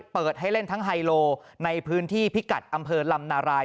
เปิดให้เล่นทั้งไฮโลในพื้นที่พิกัดอำเภอลำนาราย